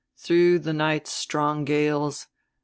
Through the night strong gales....